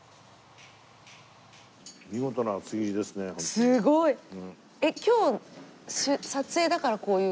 すごい！今日撮影だからこういう。